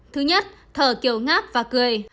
thứ nhất thở kiểu ngáp và cười